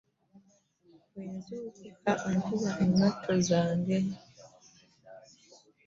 Bwe nzuukuka nkuba engatto zange.